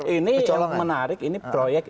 ini yang menarik ini proyek